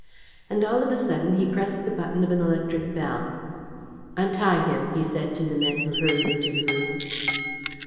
And, all of a sudden, he pressed the button of an electric bell: "Untie him!" he said to the men who hurried into the room.